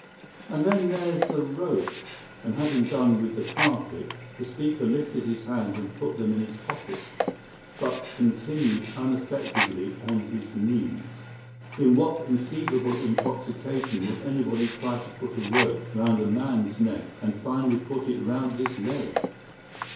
And then there's the rope" and having done with the carpet the speaker lifted his hands and put them in his pocket, but continued unaffectedly on his knees "in what conceivable intoxication would anybody try to put a rope round a man's neck and finally put it round his leg?